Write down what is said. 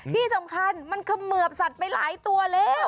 ที่สำคัญมันเขมือบสัตว์ไปหลายตัวแล้ว